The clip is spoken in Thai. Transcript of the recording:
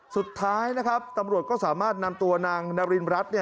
สุดท้ายนะครับตำรวจก็สามารถนำตัวนางนารินรัฐ